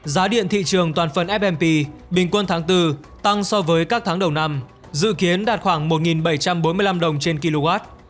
giá điện thị trường toàn phần fp bình quân tháng bốn tăng so với các tháng đầu năm dự kiến đạt khoảng một bảy trăm bốn mươi năm đồng trên kw